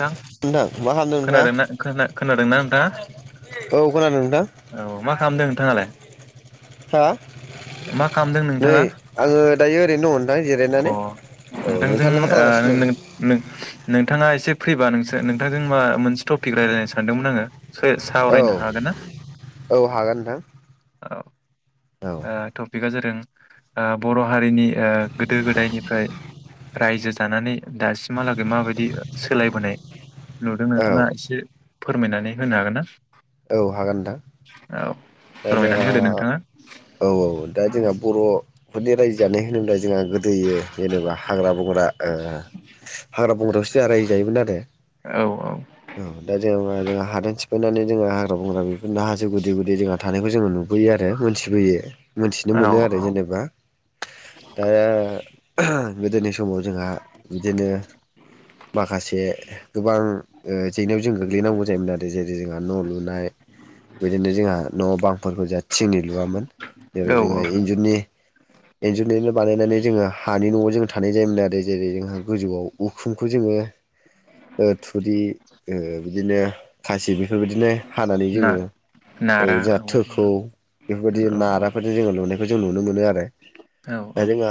नोंथां मा खालामदों नोंथाङा खोनादोंना खोनादोंना नोंथाङा औ खोनादों नोंथां औ मा खालामदों नोंथाङालाय हा मा खालामदों नै नोंथाङा आङो दायो ओरैनो दङ नोंथां अ जिरायनानै औ नोंथाङालाय मा खालामगासिनो दं नोंथांजों। थाङा एसे फैबा नोंसोर नोंथांजों मा मोनसे टपिक रायज्लायनो सानदोंमोन आङो। औ सो-सावरायनो हागोन ना? औ हागोन नोंथां औ औ ओ टपिकआ जादों ओ बर' हारिनि ओ गोदो गोदायनिफ्राय रायजो जानानै दासिमहालागै माबायदि सोलायबोनाय नुदों औ नोंथाङा एसे फोरमायनानै होनो हागोन ना? औ हागोन नोंथां। औ दा जोंहा फोरमायनानै होदो नोंथाङा औ औ दा जोंहा बर' बेफोरनि रायजो जानाय होनोब्ला जों जोंहा गोदोयो जेनेबा हाग्रा बंग्रा ओ हाग्रा बंग्रायावसो रायजो जायोमोन आरो। औ औ दा जेनबा जों हादान सिफायनानै जोङो हाग्रा बंग्रा बेफोरनो हाजो गुदि गुदि जोंहा थानायखौ जोङो नुबोयो आरो मोनथिबोयो। मोनथिनो औ मोनो आरो जेनेबा दा गोदोनि समाव जोंहा बिदिनो माखासे गोबां जेंनायाव जों गोग्लैनांगौ जायोमोन आरो जेरै जोंहा न' लुनाय बिदिनो जोंहा न' बांफोरखौ जाहा थिंनि लुवामोन। जेराव औ जोङो औ इन्जुरनि इनजुरनिनो बानायनानै जोङो हानि न'आव जों थानाय जायोमोन आरो जेरै जोंहा गोजौआव उखुमखुखौ जोङो ओ थुरि बिदिनो खासि बेफोरबायदिनो हानानै ना जोङो औ नारा जोंहा औ थोखौ औ बेफोरबायदि औ नाराफोरजों जोङो लुनायखौ जों नुनो मोनो आरो औ द औ जोंहा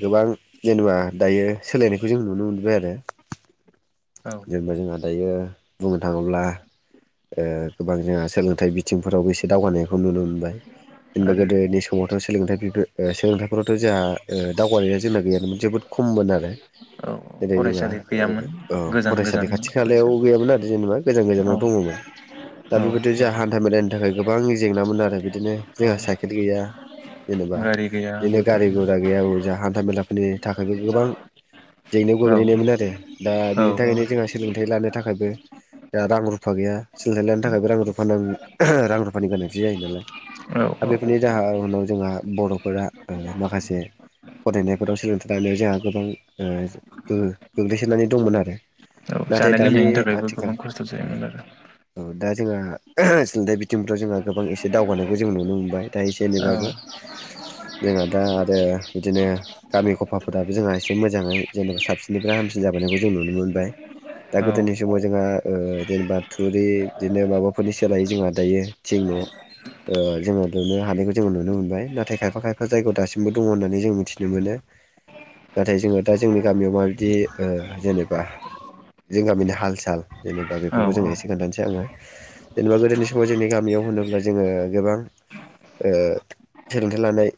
गोबां जेनेबा दायो सोलायनायखौ जों नुनो मोनबाय आरो। औ जों बाज दायो बुंनो थाङोब्ला गोबां जोंहा सोलोंथाइ बिथिंफोरावबो एसे दावगानायखौ नुनो मोनबाय। जेनबा आरो गोदोनि समावथ' सोलोंथाइ बि-सोलोंथ न'खरावथ' ओ जोंहा दावगानाया जोंना गैयामोन जोबोद खममोन आरो। औ जेरै जोंहा फरायसालि गैयामोन औ गोजान फरायसालि गोजानमोन खाथि खालायाव फरायसालि गैयामोन आरो जेनेबा गोजान औ गोजानाव दङमोन। दा औ बेबायदि जों हा मिलायनि थाखाय गोबां जेंना मोनो आरो बिदि बिदिनो औ जोंहा साइकेल गैया जेनेबा गारि गैया बिदिनो मटर गारि घरा गैया जों हथा मेला फोरनि थाखायबो गोबां जेंनायाव औ गोग्लैनायमोन आरो दा औ बिनि औ थाखायनो जोंहा सोलोंथाइ लानो थाखायबो दहा रां रुफा गैया सि थाखायबो रां रुफा रां रुफानि गोनांथि जायो नालाय औ दा बेफोरनि जाहनाव जोंहा बर'फोरा माखासे फरायनायफोराव सोलोंथाइ लानायाव जोंहा गोबां गो गोग्लैसोनानै दंमोन आरो औ नाथाय जानाय दानि लोंनायनि थाखायबो आथिखाल गोबां खस्थ' औ जायोमोन आरो औ दा जोंहा सोलोंथाइ बिथिंफ्राव जोंहा गोबां एसे दावगानायखौ जों नुनो मोनबाय दायो आरो जेनेबाबो जोंहा दा आरो बिदिनो गामि खफाफोराबो जोंहा एसे मोजाङै जेनेबा साबसिननिफ्राय हामसिन जाबोनायखौ जों नुनो मोनबाय दा औ गोदोनि समाव जोंहा जेनेबा थुरि बिदिनो माबाफोरनि सोलाय जोंहा दायो थिं न' जोङो लुनो हानायखौ जोङो नुनो मोनबाय नाथाय खायफा खायफा जायगायाव दासिमबो दङ होननानै जों मिथिनो मोनो नाथाय जोङो दा जोंनि गामियाव माबायदि जेनेबा जों गामिनि हाल साल जेनेबा औ बेफोरखौ जों एसे खोन्थानोसै आङो जेनेबा गोदोनि समाव जोंनि गामियाव होनोब्ला जोङो गोबां सोलोंथाइ लानाय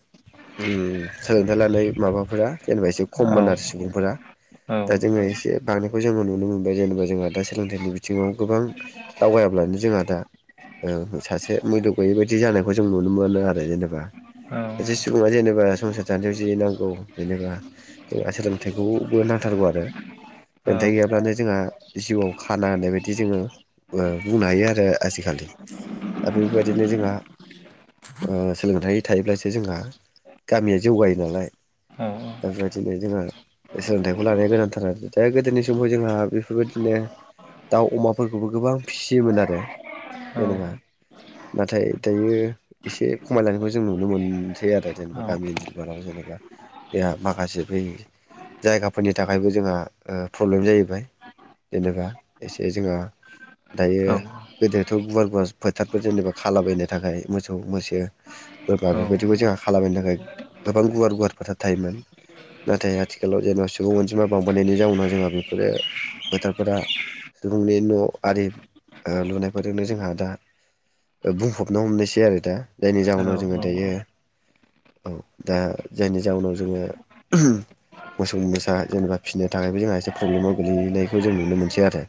सोलोंथाइ लानाय माबाफोरा जेनेबा एसे औ औ औ खमानार सुबुंफोरा दा जोङो एसे बांनायखौ जोङो नुनो मोनबाय जेनेबा जोंहा दा सोलोंथाइनि बिथिङाव गोबां दावगायाब्लानो जोंहा दा सासे मुल्यग गैयै बायदि जानायखौ जों नुनो मोनो आरो जेनेबा सासे सुबुङा जेनेबा संसार जान्थायाव ज नांगौ जेनेबा जोंहा सोलोंथाइखौबो नांथारगौ आरो सोलोंथाइ गैयाब्लानो जोंहा जिउआव खाना होननाय बायदि जोङो बुंनो हायो आरो आजिखालि दा बेफोरबायदिनो जोंहा सोलोंथाइ थायोब्लासो जोंहा गामिया जौगायो नालाय दा बेबायदिनो जोंहा सोलोंथाइखौ लानाया गोनांथार आरो दा गोदोनि समाव जोंहा बेफोरबायदिनो दाउ अमाफोरखौबो गोबां फिसियोमोन आरो जेनेबा नाथाय दायो एसे खमायलायनायखौ जों नुनो मोनसै आरो जेनेबा गामि ओनसोलफोराव जेनेबा बेहा माखासे बै जायगाफोरनि थाखायबो जोंहा प्रब्लेम जाहैबाय जेनेबा एसे जोंहा दायो गोदोथ' गुवार गुवार फोथारफोर जेनेबा खाबायनो थाखाय मोसौ मोसो बोरमा बेबायदिखौ जोंहा खालामलाबायनो थाखाय गोबां गुवार गुवार फोथार थायोमोन नाथाय आथिखालाव जेनेबा सुबुं अनसिमा बांबोननायनि जाउनाव जोंहा बेफोरो फोथारफोरा सुबुंनि न' आरि लुनायफोरजोंनो जोंहा दा बुंफबनो हमनायसै आरो दा जायनि जाउनाव जोङो दायो औ दा जायनि जाउनाव जोङो मोसौ मोसा जेनेबा फिनो थाखायबो जोंहा एसे प्रब्लेमाव गोलैनायखौ जों नुनो मोनसै आरो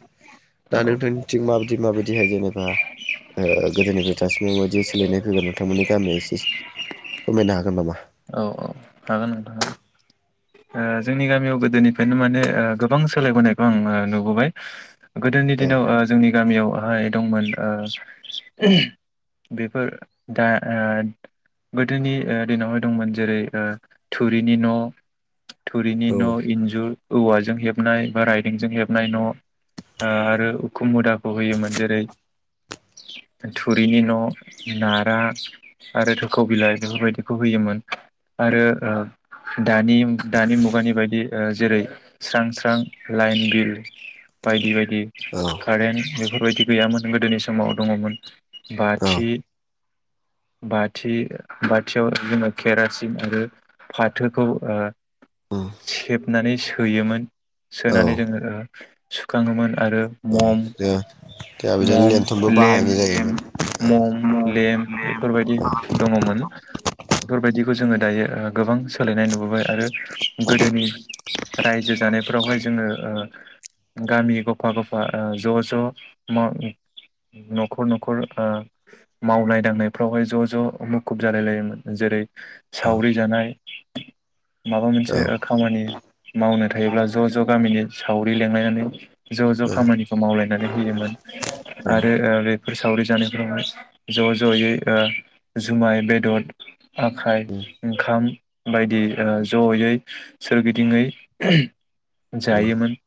दा नोंथांनि थं माबायदि माबायदिहाय जेनेबा गोदोनिफ्राय थासिम माबायदि सोलायनाय फैगोन नोंथांमोननि गामिया एसे फोरमायनो हागोन नामा हागोन दोन जोंनि गामियाव गोदोनिफ्रायनो माने गोबां सोलायबोनायखौ आं नुबोबाय गोदोनि औ दिनाव जोंनि गामियावहाय दंमोन बेफोर दा गोदोनि दिनावहाय दंमोन जेरै थुरिनि न' थुरिनि औ न' इन्जुर औवाजों हेबनाय बा रायदोंेंजों हेबनाय न' आरो उखु मुदाखौ होयोमोन जेरै थुरिनि न' नारा आरो थोखौ बिलाइ बेफोरबायदिखौ होयोमोन आरो दानि दानि मुगानि बायदि जेरै स्रां स्रां लाइन बिल बायदि बायदि कारेन बेफोरबायदि गैयामोन गोदोनि समाव दङमोन औ बाथि बाथि बाथियाव जोङो केरासिन आरो फाथोखौ सेबनानै सोयोमोन औ सोनानै जोङो सुखाङोमोन आरो मम जोंहा बिदिनो मम लेन्थनबो लेम बाहायनाय जायो औ मम लेम बेफोरबायदि दङमोन बेफोरबायदिखौ जोङो दायो गोबां सोलायनाय नुबोबाय आरो गोदोनि रायजो जानायफोरावहाय जोङो गामि गफा गफा ज' ज' न'खर न'खर मावनाय दांनायफ्रावहाय ज' ज' मुखुब जालाय लायोमोन जेरै- सावरि जानाय माबा मोनसे खामानि मावनो थायोब्ला ज' ज' गामिनि सावरि लिंलायनानै ज' ज' खामानिखौ मावलायनानै होयोमोन आरो बेफोर सावरि जानायफोरावहाय ज' ज'यै जुमाय बेदर आखाइ ओंखाम बायदि जयै सोरगिदिंयै जायोमोन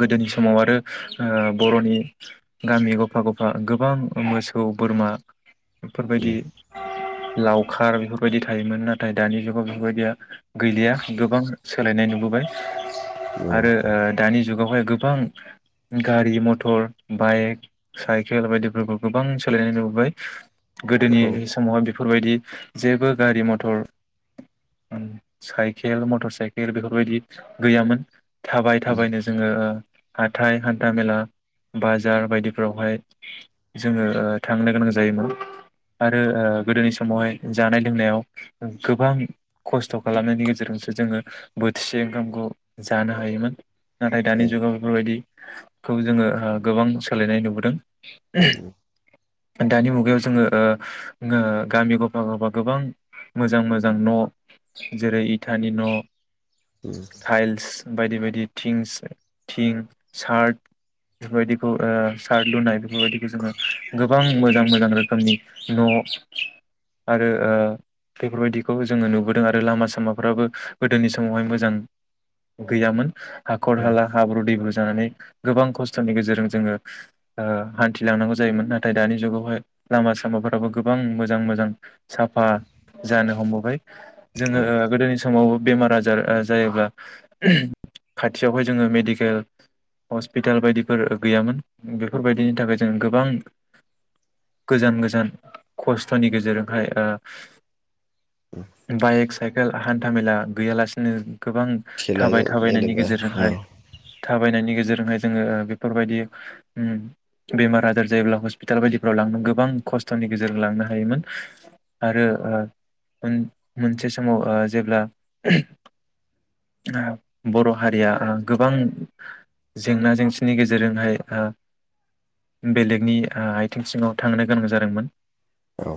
गोदोनि समाव आरो ओ बर'नि गामि गफा गफा गोबां मोसौ बोरमाफोरबायदि लावखार बेफोरबायदि थायोमोन नाथाय दानि जुगाव बेफोरबायदिया गैलिया गोबां सोलायनाय नुबोबाय आरो दानि जुगावहाय गोबां गारि मथर बाइक साइकेल बायदिफोरखौ गोबां सोलायनाय नुबोबाय औ गोदोनि समावहाय बेफोरबायदि जेबो गारि मथर साइकेल मटर साइकेल बेफोरबायदि गैयामोन थाबाय थाबायनो जोंङो हााइ हान्थाामेला बाजार बायदिफोरावहाय जोङो थांनो गोनां जायोमोन आरो गोदोनि समावहाय जानाय लोंनायाव गोबां खस्थ' खालामनायनि गेजेरजोंसो जोंङो बोथिसे ओंखामखौ जानो हायोमोन नाथाय औ दानि जुगाव बेफोरबायदिखौ जोंङो गोबां सोलायनाय नुबोदों औ दानि मुगायाव जोंङो गामि गफा गफा गोबां मोजां मोजां न' जेरै इथानि न' थाइल्स बायदि बायदि थिंस थिं सार्ट बेफोरबायदिखौ सार्ट लुनाय बेफोरबायदिखौ जोंङो गोबां मोजां मोजां रोखोमनि न' आरो बेफोरबायदिखौ जोंङो नुबोदों आरो लामा सामाफ्राबो गोदोनि समावहाय मोजां गैयामोन हाखर हाला हाब्रु दैब्रु जानानै गोबां खस्थ'नि गेजेरजों जोङो हान्थिलांनांगौ जायोमोन नाथाय दानि जुगावहाय लामा सामाफोराबो गोबां मोजां मोजां साफा जानो हमबोबाय जोंङो ओ गोदोनि आसामावबो बेमार आजार जायोब्ला खाथियावहाय जोंङो मेडिकेल हस्पिटाल बायदिफोर गैयामोन बेफोरबायदिनि थाखाय जोंङो गोबां गोजान गोजान खस्थ'नि गेजेरजोंहाय बाइक साइकेल आहान हान्थाामेला गैयालासिनो गोबां थाबाय खेलाजों थाबायनायनि जेनेबा औ गेजेरजोंहाय थाबायनायनि गेजेरजोंहाय जोङो बेफोरबायदि बेमार आजार जायोब्ला हस्पिटाल बायदिफ्राव लांनो गोबां खस्थ'नि गेजेरजों लांनो हायोमोन आरो मोनसे समाव जेब्ला बर' हारिया गोबां जेंना जेंसिनि गेजेरजोंहाय बेलेगनि आथिं सिङाव थांनो गोनां जादोंमोन औ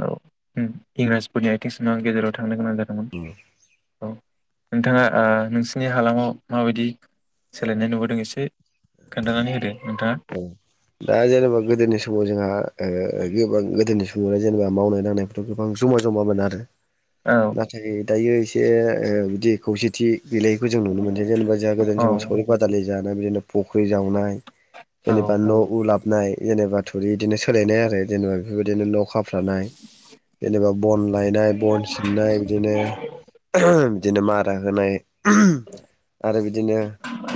औ ओम इंराजफोरनि आ [unintelligible] गेजेराव थांनो गोनां जादों औ औ नोंथांङा नोंसिनि हालामाव माबायदि सोलायनाय नुबोदों एसे खोन्थानानै होदो नोंथांङा दा जेनेबा गोदोनि समाव जोंहा गोबां गोदोनि समावनो जेनेबा मावनाय दांनायथ' गोबां जमा जमाामोन आरो औ नाथाय दायो बे ओ बिदि खौसेथि बिलाइखौ जों नुनो मोनस जेनेबा जोंहा गोदान औ समाव सावरि बादालि जानाय बिदिनो फुख्रि जावनाय औ जेनबा न लाबनाय जेनेबा थुरि इदिनो सोलायनाय आरो जेनेबा बेफोरबायदिनो न खा फ्रानाय जेनेबा बन लायनाय बन सिननाय बिदिनो बिदिनो मारा होनाय ओहम आरो बिदिनो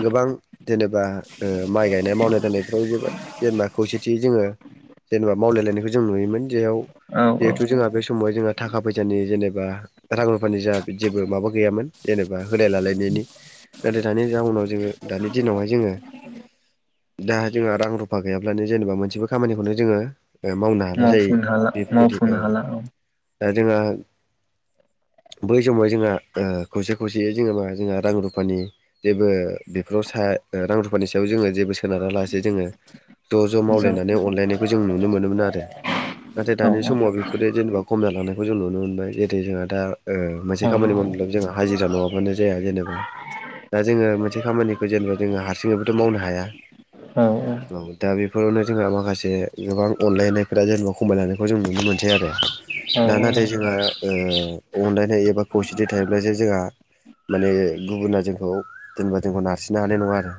गोबां जेनेबा ओ माइ गायनाय मावनाय दांनायफ्राव जोबोद जेनेबा खौसेथि जोंङो जेनेबा मावलायलायनायखौ जों नुयोमोन जेरयाव औ औ जिहेथु जोंहा बे समाव जोंहा थाखा फैसानि जेनेबा रां रुफानि जा बिदि जेबो माबा गैयामोन जेनेबा होनाय लालायनायनि नाथाय दानि जाउनाव जोङो दानि दिनावहाय जोंङो दा जोंहा रां रुप फा गैयाब्लानो जेनेबा मोनसेबो खामानिखौनो जोंङो मावफुं हाला मावफुं हाला औ दा जोंहा बै समाव जोंहा आ खौसे खौसेयै जोंओ मा जोंहा रां रुफानि जेबो बेफोराव सा रां रुप रुफानि सायाव जो जेबो सोनारालासे जोङो ज' ज' जों मावलायनानै अनलायनायखौ जों नुनो मोनोमोन आरो। नाथाय औ दानि समाव बेफोरो जेनेबा खम जालां नायखौ जों नुनो मोनबाय। जेरै जोंहा दा ओ मोनसे औ खामानि मावनोब्लाबो जोंहा हाजिरा नङाबानो जाया जेनेबा। दा जोङो मोनसे खामानिखौ जेनेबा जोङो हारसिङैबोथ मावनो हाया। औ दा बेफोरावनो जोंहा माखासे गोबां अनलायनायफोरा जेनेबा खमायलादों बेखौ जों नुनो मोनसै आरो। दा नाथाय जोंहा ओ पअनलायनाय थायोब्ला खौसेथि थायोब्ला जे जोंहा माने गुबुना जोंखौ जेनेबा जोंखौ नारसिननो हानाय नङा आरो।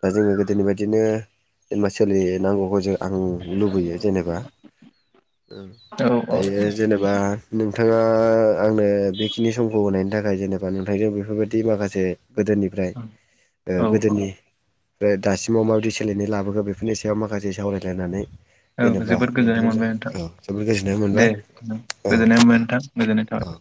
दा जोङो गोदोनि बायदिनो जेनेबा सोलियो। नांगौखौ जों आं लुबैयो जेनेबा। दायो जेनेबा नोंथाङा आंनो बेखिनि समखौ होनायनि थाखाय जेने बा नोंथांजों बेफोरबायदि माखासे गोदोनिफ्राय ओ औ गोदोनि ओमफ्राय दासिमाव माबायदि सो लायनाय लाबोखो बेफोरनि सायाव माखासे सावरायलायनानै औ जेनेबा जोबोद गोजोननाय नोंथांजों मोनबाय नोंथां। औ जोबोद गोजोननाय दे मोनबाय औ गोजोननाय मोनबाय नोंथां गोजोननाय थाबाय। औ